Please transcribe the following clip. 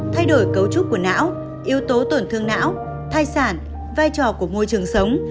thay đổi cấu trúc của não yếu tố tổn thương não thai sản vai trò của môi trường sống